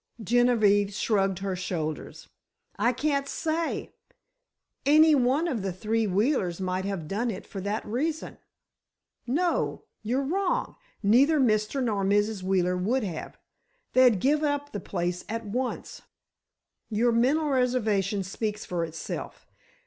Genevieve shrugged her shoulders. "I can't say. Any one of the three Wheelers might have done it for that reason." "No; you're wrong. Neither Mr. nor Mrs. Wheeler would have. They'd give up the place at once." "Your mental reservation speaks for itself!